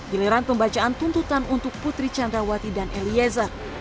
giliran pembacaan tuntutan untuk putri candrawati dan eliezer